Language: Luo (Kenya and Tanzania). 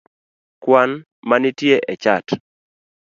kwan manitie e chat?